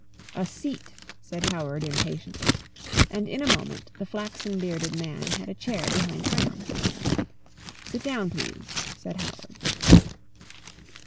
"A seat," said Howard impatiently, and in a moment the flaxen bearded man had a chair behind Graham. "Sit down, please," said Howard.